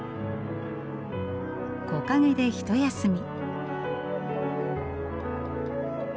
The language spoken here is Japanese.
木陰で一休み。